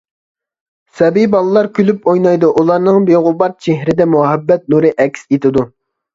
سەبىي بالىلار كۈلۈپ ئوينايدۇ، ئۇلارنىڭ بىغۇبار چېھرىدە مۇھەببەت نۇرى ئەكس ئېتىدۇ.